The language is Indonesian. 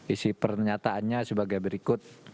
isi pernyataannya sebagai berikut